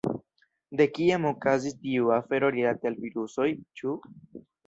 De kiam okazis tiu afero rilate al virusoj, ĉu?